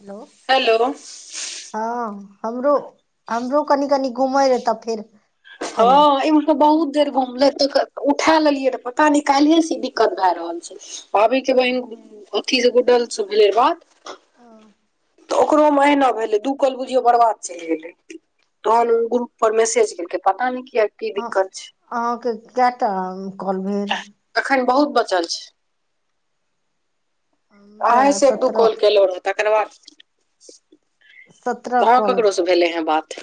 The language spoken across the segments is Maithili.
हेलो। हेलो। हँ हमरो हमरो कनि कनि घुम रहे तऽ फिर। हँ ई। बहुत देर घुमले तऽ उठा लेलियै तऽ पता न काले से दिक्कत भए रहल छै। भावी के बहिन डर अथी से गुडल से भेले या बात। ओ। तऽ ओकरो मे अहिना भेलै दू कल बुझियौ बर्बाद चलि गेलै तहन ओ ग्रुप पर मैसेज केलके। पताा नै कियै की दिक्कत छैय। अहाँके केटा हन कॉल भेल। अखन बहुत बचल छै। हमरा आइ -से एक दू सत्रह कॉल केलो रहो तकर बाद। कहाँ ककरो से भेले हैं बात।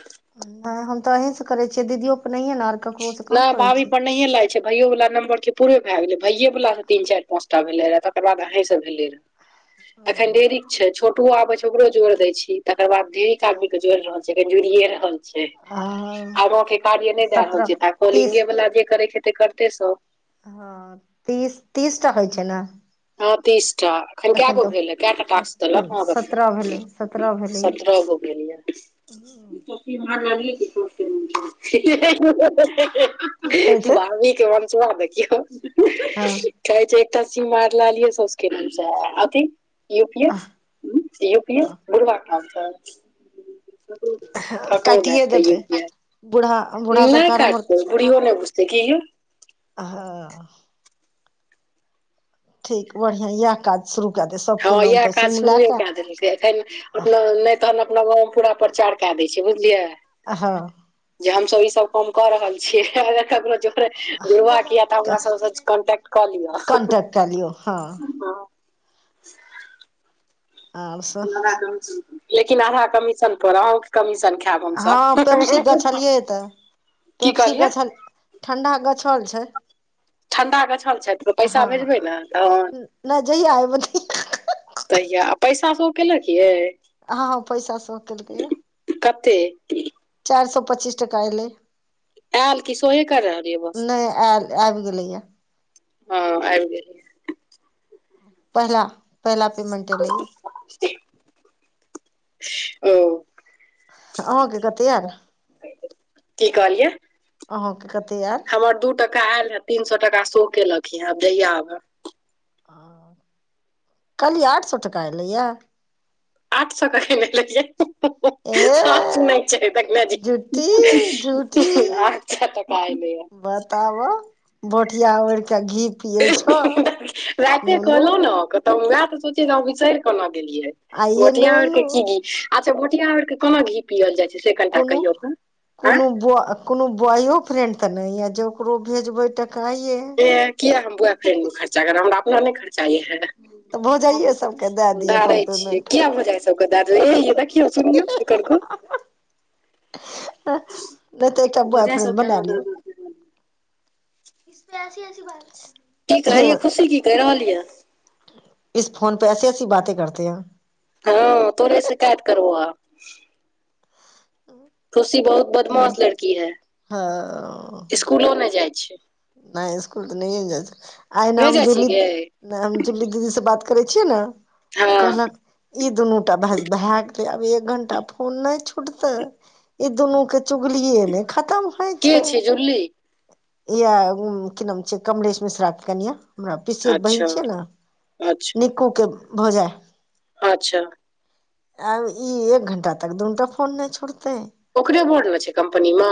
हा हम तऽ अहीं से करे छियै दीदियो के नहिय ने। ककरोसँ कहाँ नई करै भावी छी पर। नहिए लायै छै भैयो वला नंम्बरके पूरे भए गेलै भैय वाला तीन चारि पाँचटा भेले रहे तकर बाद अहीं से भेले रे। अखेन देरी। छै छोटुो आबे छै ओकरो जोड़ देय छी तकर बाद ठीक आदमी के जोड़ रहल छैखन जुड़िये रहल। छै आ आबके कार्य नहि दए रहल सत्रह छै तऽ तीस कॉलिंगे वाल जे करे छैे ते करते सब। हँ तीस तीसटा होइ छैय ने। हां तीसटा। एखन कएगो भेल कएटा टाक्स एखन देलक सत्रह भेलै अहाँके सत्रह भेलैए सत्रह गो भेल यऽ। बीमार लागै छी दो तीन दिन से की कहै हेहेहेहेहेहे। छै भाभी के वंचबा देखियौ। हँ। कहे छै एकटा सिममार लालिये सॉसके नामसँ अथी। पीयु पीयु हम्म पीयु पीयु बूडभा ठाढ़ छैय। कटिेयै देतै यू दतेन पी एस बुडहा। नहि काटतौ बुढ़िओ नहि बुझतै की ओ। हा। ठीक बढ़ियाँ याएह काज शुरू काए दे सब हां इहाए काज शुरुए काए देलकै एखन अपना नै तहन अपना गाँव मे पूरा प्रचार काए दै छै बुझलियै। अ हां। जे हम सब ई सब काम कऽ रहल छिये औरो ककरो जो [unintelligible] जुड़बाक या तऽ हमरा सबसे कॉन्टैक्ट कऽ लियो। कॉन्टेक्ट कए लियौ हँ [unintelligible] आर सब लेकिन अहाँ कमीशन पर अहों के कमीशन [unintelligible] हां पेप्सी गछलियै तऽ की पेप्सी कहलियै गछल ठंढा गछल छै। ठण्डा गछल छै प पैसा हँ भेजबै ने तहन। नहि जहिया एबै तहिया तहिया आ पैसा सो केलक यै। हां-हां पैसा सोह केलकै या। कते। चाएर सौ पच्चीस टका एलै आयल कि सोहे करलियै बस नै आएल आएब गेलैया। हां आएब गेल। पहला, पेहला पेमेंटे एलै या। औ। अहाँ के कते आएल, की कहलियै अहाँ के कते आएल। हमर दू टका आएल हय, तीन सौ टका सो केलक या आब जहिया आबै। कहलियै आठ सौ टका एलैया। आठ सौ कखैन एलैयै। ए सब सुनै छै देखला झूठी झूठी जाहि आठ सौ टका एलैया। तब ओ भोटिया ओढ़ के घी पिये छो नुनू। तऽ वाएह तऽ सोचे रहौ अहाँ बिसैर केना गेलियै आइये भोटिया ओढ़ के नुनू की घी अच्छा भोटिया ओढ़ कऽ कोना घी पियल जाय छै से कनटा कहियौ ते अयँ। बु-अ कुनू ब्वॉययो फ्रेंड तऽ नै या जे ओकरो भेजबै टका ये। एह किया हम बॉय फ्रेंड मे खर्चा करब, हमरा अपना नै खर्चा या। तऽ भौजाइये सबके दए दिअ धारै फोन छियै, पेमेंट कियाए भौजाए सबके दा देबै हेये देखियौ सुनयौ। ऐकर ग नै तऽ एकटा ब्वॉयफ्रेंड बना लियौ। [unintelligible] की हे कहैया खुशी की कैह रहल या। इस फोन पे ऐसी-ऐसी बाते करते हो। हां तोरे शिकाएत करबो आब। ओ। खुशी बहुत बदमाश लड़की है, स्कूलो नै जाय छै। नै स्कूल तऽ नहिये जाय छै, एहना नहि मे जाइ छी जूली गे नै हम जूली दीदी से बात करे छियै ने हँ कहलक ई दुनूटा बस [unintelligible] के आब एक घंटा फोन नै छूटतै, ई दुनू के चुगलिये नै खत्म के छै जुली। किया की नाम छियै? कमलेश मिश्रा के कनिया हमरा पिसियोत अच्छा बहिन छियै ने? अच्छा निकू के भौजाई। अच्छा। आब ई एक घंटा तक दुनूटा फोन नहि छोड़ते। ओकरे बर न छै कम्पनी मे।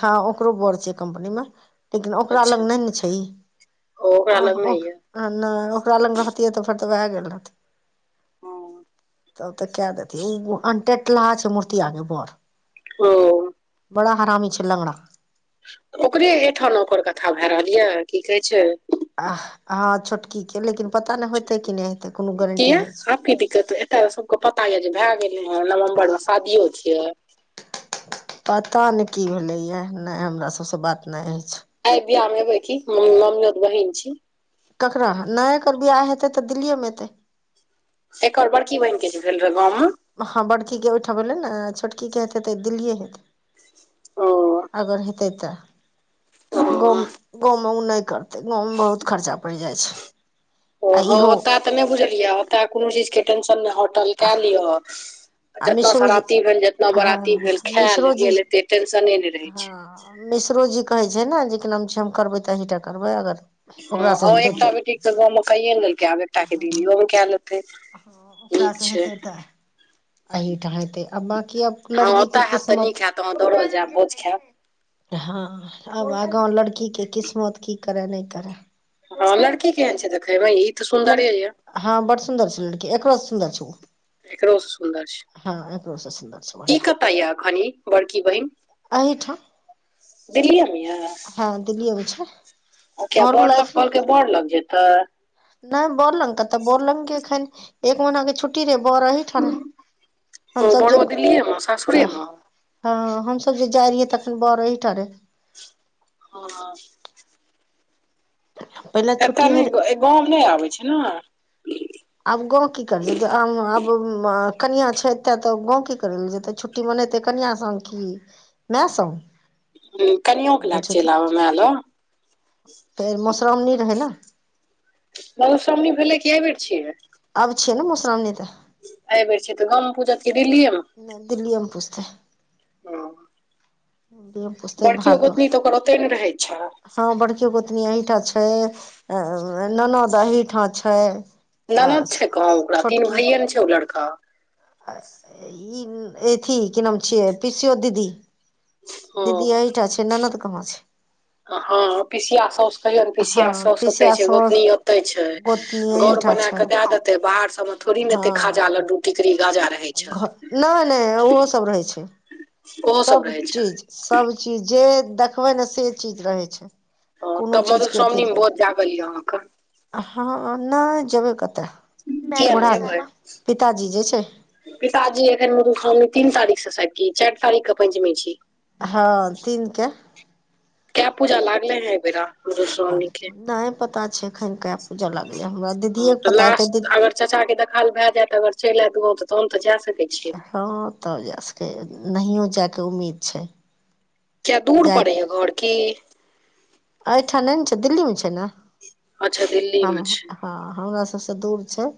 हँ ओकरो बर छै कम्पनी मे। लेकिन ओकरा लग अच्छा नै न छैइ, ओ ओकरा अह लग नहि ओह्ह य हाँ न ओकरा लग रहितिये त फेर त वैह गेल रहति। तब त क्या देतिये उ अनटेटलाह छै, मूर्ति अहा के बर। ओ। बड़ा हरामी छै लगड़ा। ओकरे एहिठा नो ओकर कथा भए रहल या की कहै छै। आह हँ छोटकी के लेकिन पता ने होेते क नहि हेते कोनो गारंटी किया नहि छै आब की दिक्कत? एते सबके पता ये जे भए गेलै हं नवम्बर में शादियो छिये। पता नहि की भेलैए? नहि हमरा सब से बात नहि अइच। ऐ बीहा में ऐबी कि हमर मामियोंत बहिन छी। ककरा? नै कर बीहा हेतै त दिल्ली मे हेतै। एकर बरकी बहिन के जे भेल रहे गाँउ म? हँ बड़की के ओहि ठाम भेलै ने छोटकीे हेतै त दिल्लए हेतै। ओ अगर हेतै त। ओ गाँउ गाँउ मे उ नै करतै गाँउ में बहुत खर्चा पड़ि जाइ छै। ओ आ हँ इहो ओतय तऽ नहि बुझलियै ओतय कोनो चीज के टेंशन नहि होटल कए लिअ। आ जेत मिश्रोजी सराती भेल जेतना हँ बारती भेल खायल मिश्रोजी गेल एते टेंशने नै रहे छै। हँ मिश्रो जी कहै छै ने, जे निम छीम करबै त तहीटा करबै अगर ओकरासँ ह हेतै एकटा तऽ बेटी के गाँऊ में कैये लेलकै आब एकटा के दिलीयों में कै लेते। ह ओकरा से हेतै त एहिठा हेतै अब बकी अब हँ लड़की के ओतय हैत त किस्मत नीक हैत हाँ दौड़ल जायब भोज खायब। हाँ आब आगाँ लड़की के किस्मत की करै नहि करै? हाँ लड़की केहन छै देखेबै, में इ त सुंन्दरे लड़की ये। हँ बड़ सुन्दर छै लड़की, एकरो से सुन्दर छै उ। एकरो से सुन्दर छै, सुन्दर छै इ बढ़िया कत य अखन इ बड़की बहिन? एहि ठाम। दिल्लिय मे य?? हँ दिल्ली में छै, घरवाला अखने बोर लग जेतै अ। नहि बोर लग क ते बोर लग के अखन एक महीना के छुट्टी रहे बोर अहि ठने, हम ओ सब जे बड़ो दिल्लीए मे सासुरे आह मे हँ हम सब जे जाइ रहियै, तखन बोर अहिठा रहे। हाँ [inaudible] एत होय नै रहै ए गाँउ नहि आबै छै न? आब गाँउ की कर जेते, अम्म आब अ कनिया छै एते, त गाँउ की करें ले जेते छुटी? छुटी बनेते कनिया संग की माय संग? हम्म कनियों लाग बुझू चैल तऽ आबे माय लग। फेर मधुश्रावणी रहै न। मधुश्रावणी भेलै कि ऐ बेर छियै। आब छियै न मधुश्रावणी त अइ बेर छिये त गांम में पूजत की दिल्लीये म नहि दिल्लीए मे पुजतै। हाँ के पूछते भार -दौड़ गोतनी तऽ ओकर ओते ने रहै छै हाँ बड़ कीयो गोतनी एहिठऽ छै, ननद एहिठऽ छै। आ ननद छै कहां ओकरा, तीन छोटकी भाइये न छै ओ लड़का। ई ऐथि की नाम छियै, पीसियौत दीदी। हँ दीदी एहिठा छै, ननद कहाँ छै। आ हँ पीसिया साऊस कहियन पीसिया हँ साॅस ओतय पीसिया छैय, साउस गोतनी ओतय छैय, गोतनी घर एहिठाम बना छै के दैं देतै बाहर सब म थोड़ी न एते खाजा, हँ लड्डू, टीकरी, गाजा रै। घ नहि-नहि ओहो सब रहै छैय ओहो सब रहै छै चीज सब चीज जे देखबै ने से चीज रहै छैय। हँ तब मधुश्रावणी मे भोज जागल यऽ अहाँकऽ। हांँ नहि जेबै कतऽ, किया ने बूढ़ा जेबै पिताजी जे छैय। पिताजी एखन, मधुश्रावणी तीन तारीख से शायद की चार तारीख के पंचमी छी। हँ तीन के। कै पूजा लागले हैं एयबेरा नहि पता छय एखन कैं पूजा लागलै, हमरा दीदीएके पता हतै दी चचा के देखाल भै जैत, अगर चैल ऐत गांव तहन त जा सकै छियै न। हाँ तब जा सकैय, नहियो जाय के उम्मीद छै। क्या दूर पड़ै या घर की। ऐंहठा नहि न छैय दिल्ली मे छैय न। अच्छा दिल्- हम हाँ हमरा सबसे दूर छैय,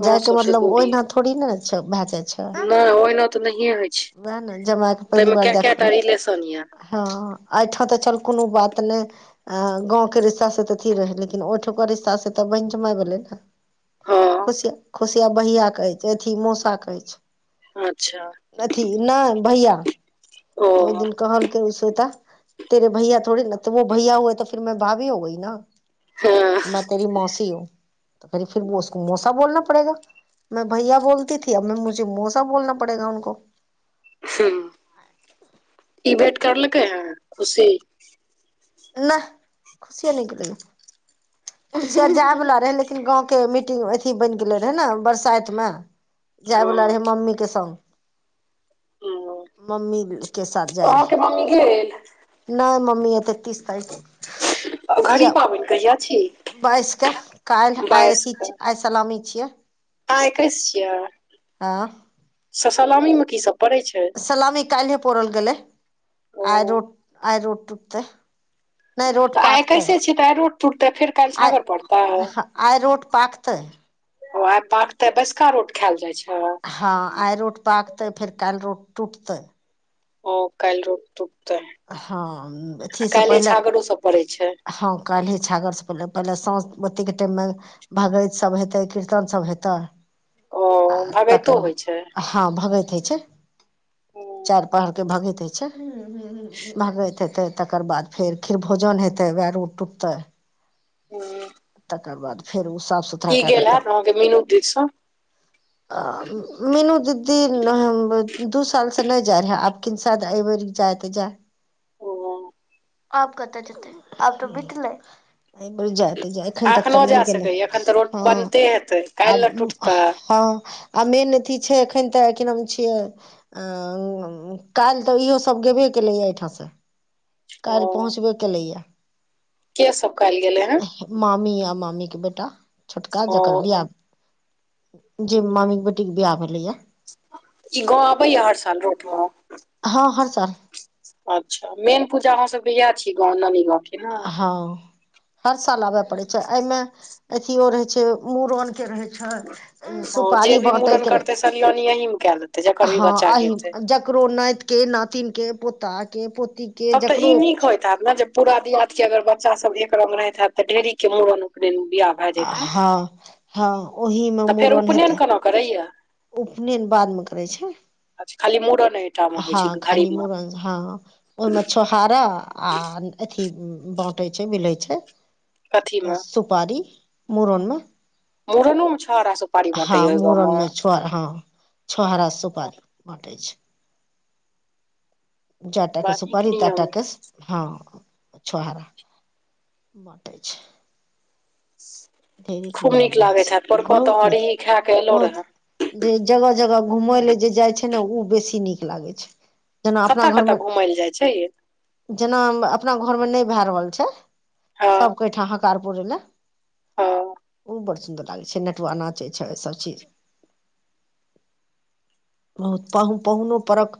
अहाँ जाय के सबसँ मतलब दूर ये ओहिना थो थोडी़ नहि न छैय भै जाए छैय। नहि ओहिना तऽ नहिये होय वैह ने जमाए के पेहली बार देखबै। रिलेशन ये हँ अहिठाँ त चल कोनो बात नहि हाँ गाँवके रिश्ता से त अथी रहै, लेकिन ओयठां के रिश्ता से त बहिन जमाय भेलै ने। हँ खुशिया-खुशिया भैया कहै, अथी मौसा कहै छैय। अच्छा। अथी नहि भैया ओ त ओय दिन कहलकें उ स्वेता हँ [unintelligible] [unintelligible] [unintelligible] हूं ई भेट करलकै हैं खुशी। नाह खुशियो नहि गेलै यैं खूशिया जाय बला रहे, लेकिन गाँंवके मीटिंग अथी बैन गेल रहय नऽ बरसाइत में। जाय हँ बला रहै मम्मी के संग। इ नो मम्मी के साथ जाय रहे, गेल नहि मम्मी एते घड़ी पाबनि कहिया छी [inaudible] बाईस के काल्ह-आय अथि छी, आय सलामी छियै। आय एक्केस छियै। हाँ। सलामी मे की सब पड़ै छैय। सलामी काल्हे पोड़ल गेलै, ओ आइ रोट आइ रोट टुकते। तऽ आइ एक्केसे छियै तऽ आइ रोट टूटतै फिर आइ-आइ रोट पाकतै? ओ आय पाकते बैसका रोट खायएल जाइ छैय। हाँ आय रोट पाकतै, फेर काल्ह रोट टूटतै। ओ काल्ह रोट टूटतै, हँ काल्हे छागरो सब पड़ै छैय। हाँ काल्हे छागर सब पहिले-पहिले साँझ -बतीके टाइम में भगैत सब हेतै कीर्तन सब हेतै। ओ भगैतो होइ छैय। हाँ भगैत हय छैय, चार पहड़ के भगैत हय छैय। भगैत हेतय, तेकर बाद फेर खीर भोजन हेतय वैएह रोट टुटतेय। हूं। तकर बाद फेर ओ साफ सुथ ई गेल हैत अहां के मीनू दीस सॅं। अ मीनू दीदी दू साल से नहि जाय रहेै, आब किन सायद अबेरि जाय तऽ जाय। ओ। आब कतऽ जेतै आब तऽ बितले। अइबेर जैत। एखन तक एखनो तऽ नहि जा गेल सकैए एखन तऽ रोट हँ बनते हेतै आ काल्हि ने टुटतै हँ। आ मेन अथी छै, एखन तऽ की नाम छियै। अ काल्हि तऽ इहो सब गेबे केलैए एहिठाम सॅं। ओ काल्हि पहुँचबे केलैयऽ। के सब कैयल गेले हे। मामी आ मामी के बेटा छोटका जकर बियाह जे ओ मामी के बेटी के बिाह भेलैया। ई गाँव आबैया हर साल रोट पर। हँ हर साल अच्छा मेन पूजा आहां सबके इएह छी, गाँव नानी गाँव के ने। हँ हर साल आबे पड़े छै, एऽमे अथियो रहे छै, मुड़न के रहे ह ओ जे सुपारी भी मूड़न बाँटैके रहे करतै छै, सलियानी अहींमे कए लेतै जकर भी हँ बच्चा के अही हेतै ज ककरो नाइत के, नातिन के, पोता के पोती के तब तऽ ई जकरो नीक होइत हैत ने जब पूरा दियाद के अगर बच्चा सब एकरंग रहैत हैत, तऽ ढेरी के मूड़न, उपनैन, बियाह भए जाइत हैत हँ- हँ ओहि मे तऽ फेर मुड़न उपनयन हेतै। केना करैया। उपनेन बादमें करै छै। अच्छा खाली मूड़ने टा में होइ हँ छै घड़ी खाली में। मूड़न हँ। ओहि में छोहारा आ अथी बंटै छै, बिलै छै। कथीमे सुपारी मुड़न में। मूड़नोमे छहोर आ सुपारी हँ बँटैया ओहि गाँवमे मुूड़नमें छोर- हँ। छोहारा सुपारी बाँटे छै। जेएटा के बड़ा नीक सुपारी नियम तेएटा यै के हँ छुहार- बटै छै। ढेरिक खूब नियम नीक होइ लागैत हेएत छै पोड़को बहुत तऽ नीक [unintelligible] खा के एलो बहुत रहे। जे जगह -जगह घूमय ले जे जाइ छै ने ओ बेसी नीक लागै छै। जेना अपना कतऽ घर कतऽ मे घुमय लए जाइ छै यै जेना अपना घर मे नै भए रहल छै। हँ सब के ओयठा हकार पुरै लए। हँ ओ बड़ सुन्दर लागै छै नटुआ नाचै छै सबचीज- बहुत पाहु पाहुनो परक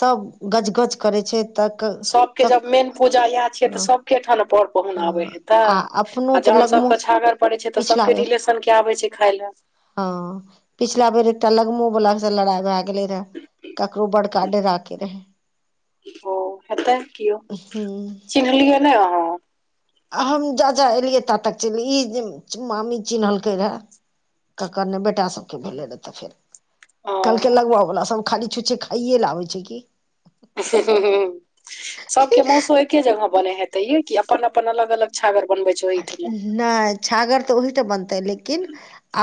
सब गज- गज करै छै तऽ। सबके कक जब मेन पूजा इएहे छियै तऽ हँ सबके ठाम पड़- पहुन आबेै हँ हेतेै अपनो आ तऽ जहन लगमो सबके छागर पड़ेै छै तऽ पिछला सबके बेर रिलेशन के आबेै छै खाय लेए। हँ पिछला बेर एकटा लगमो बला से लड़ाइ भए गेलै रहे। ककरो बड़का डेरा के नै ओ हेतै कियो हूँ। चिन्हलियै ने आहाँ? आ हम जा जा एलियै ता तक चैले ई जे मामी चिन्हलकै रहे। ककर नै बेटा सब के भेलै रह तऽ फेर- ओ कहलकेै लगबऽ बला सब खाली छुछे खाइयए लेए आबै छै की- हुँ, हूँ सबके मौसो एके जगह बने हेतै यै की अपन -अपन अलग -अलग छागर बनबै छै। ओहिठमा नैय छागर तऽ ओही तऽ बनतै लेकिन-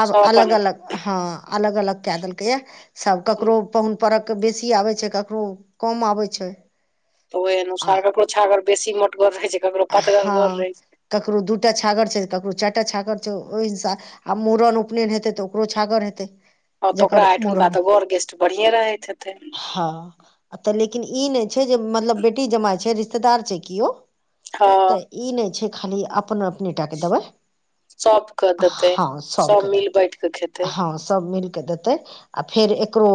आब सब अपन अलग- अपन? अलग हँ अलग- अलग केए देलकै यए सब हँ, ककरो। पाहुन परख बेसी आबै छै ककरो कम आबै छै। तऽ ओय आ अनुसार ककरो छागर बेसी मोटगर रहै छै ककरो। हँ पतगरगर रहै छै ककरो दूटा छागर छै ककरो चैरटा छागर छौ ओय हिसा। आ मूड़न उपनैन हेतै तऽ ओकरो छागर हेतै। अ तऽ जकर ओकरा एहिठुनका मूड़न तऽ गड़ गेस्ट बढ़िए रहैत हेतै। हँ। तऽ लेकिन ई ने छै जे मतलब बेटी जमाइ छै रिश्तेदार छै कियो। हँ तऽ ई नै छै खाली अपन अपनेटा के दबइ। सबके देतै हँ सब सबके मिल देतै बैठ कऽ खेतै हँ सब मिलके देत। तै आ फेर एकरो।